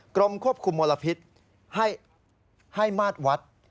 กรมควบคุมมลพิษให้มาตรวัด